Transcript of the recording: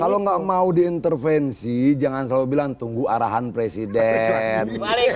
kalau nggak mau diintervensi jangan selalu bilang tunggu arahan presiden